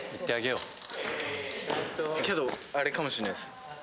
けどあれかもしれないです